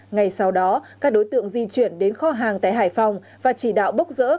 ngày sau đó các đối tượng di chuyển đến kho hàng tại hải phòng và chỉ đạo